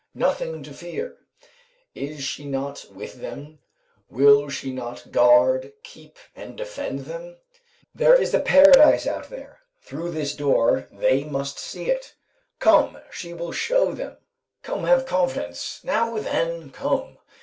nothing to fear. Is she not with them; will she not guard, keep and defend them? There is a paradise out there; through this door; they must see it. Come, she will show them; come, have confidence! Now, then come!"